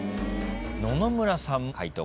野々村さん解答